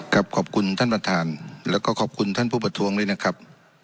ขอบคุณท่านประธานแล้วก็ขอบคุณท่านผู้ประท้วงด้วยนะครับ